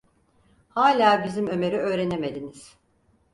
Hâlâ bizim Ömer’i öğrenemediniz.